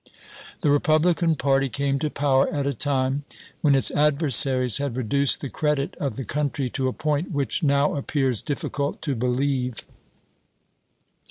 The Republican party came to power at a time when its adversaries had reduced the credit of the country to a point which now appears difficult to believe.